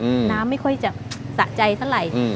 น้ำไม่ค่อยจะสะใจเท่าไหร่อืม